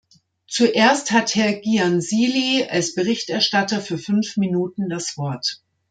Zuerst hat Herr Giansily als Berichterstatter für fünf Minuten das Wort.